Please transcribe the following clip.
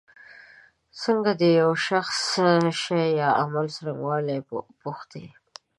څنګه د یو شخص شي یا عمل څرنګوالی پوښتی.